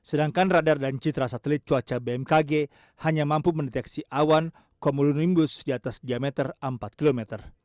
sedangkan radar dan citra satelit cuaca bmkg hanya mampu mendeteksi awan komulonimbus di atas diameter empat km